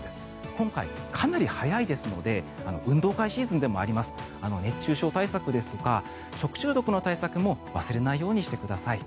今回、かなり早いですので運動会シーズンでもあります。熱中症対策ですとか食中毒の対策も忘れないようにしてください。